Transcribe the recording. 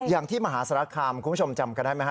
อย่างที่มหาสารคามคุณผู้ชมจำกันได้ไหมฮ